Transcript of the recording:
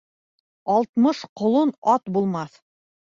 Алтмыш ҡолон ат булмаҫ.